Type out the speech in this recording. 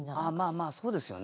まあまあそうですよね。